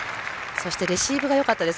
そしてレシーブがよかったです。